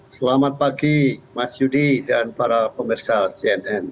selamat pagi mas yudi dan para pemirsa cnn